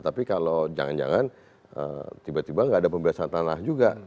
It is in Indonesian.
tapi kalau jangan jangan tiba tiba nggak ada pembebasan tanah juga